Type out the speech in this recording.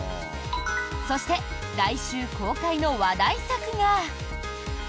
そして、来週公開の話題作が。